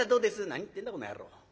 「何言ってんだこの野郎。